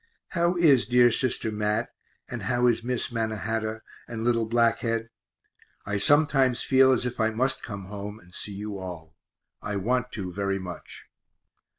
How is dear sister Mat, and how is Miss Mannahatta, and little Black Head? I sometimes feel as if I must come home and see you all I want to very much.